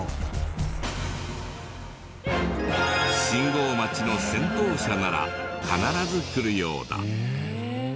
信号待ちの先頭車なら必ず来るようだ。